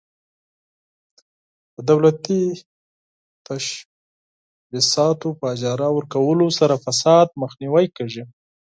د دولتي تشبثاتو په اجاره ورکولو سره فساد مخنیوی کیږي.